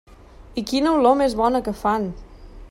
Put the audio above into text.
I quina olor més bona que fan!